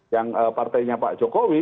yang partainya pak jokowi